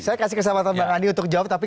saya kasih kesempatan bang andi untuk jawab tapi